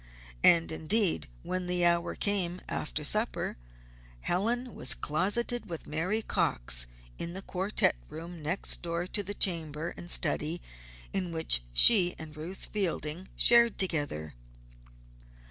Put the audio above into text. And indeed, when the hour came, after supper, Helen was closeted with Mary Cox in the quartette room next door to the chamber and study which she and Ruth Fielding shared together.